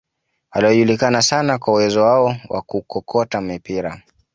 waliojulikana sana kwa uwezo wao wa kukokota mipira